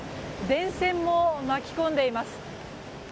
電線も巻き込んでいます。